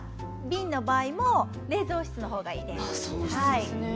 瓶の場合も冷蔵室のほうがいいです。